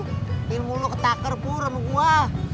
film lu ketakar pura sama gua